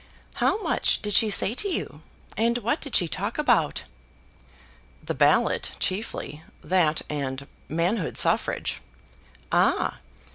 How much did she say to you; and what did she talk about?" "The ballot chiefly, that, and manhood suffrage." "Ah!